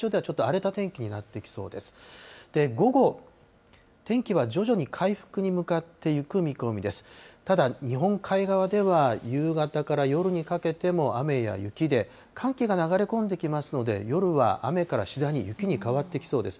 ただ、日本海側では夕方から夜にかけても雨や雪で、寒気が流れ込んできますので、夜は雨から次第に雪に変わってきそうです。